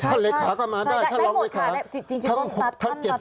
จริงผมนัดท่านมาตั้งหลายวันแล้วทั้ง๗คนเลยใช่